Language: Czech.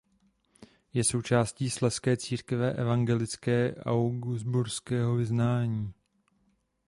Je součástí Slezské církve evangelické augsburského vyznání.